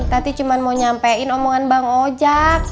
tadi cuma mau nyampein omongan bang ojak